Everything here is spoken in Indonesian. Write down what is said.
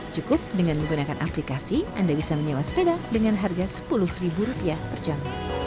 cukup dengan menggunakan aplikasi anda bisa menyewa sepeda dengan harga sepuluh rupiah per jam